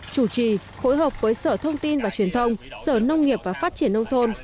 chủ trì phối hợp với sở thông tin và truyền thông sở nông nghiệp và phát triển nông thôn